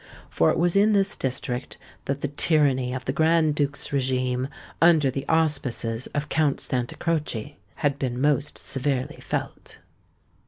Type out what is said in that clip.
For it was in this district that the tyranny of the Grand Duke's régime, under the auspices of Count Santa Croce, had been most severely felt.